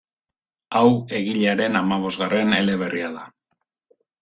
Hau egilearen hamabosgarren eleberria da.